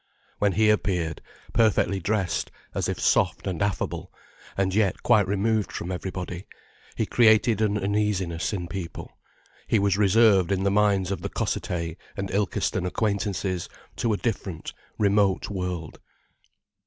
When he appeared, perfectly dressed, as if soft and affable, and yet quite removed from everybody, he created an uneasiness in people, he was reserved in the minds of the Cossethay and Ilkeston acquaintances to a different, remote world.